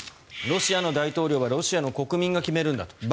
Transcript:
ロシアの大統領はロシアの国民が決めるんだと。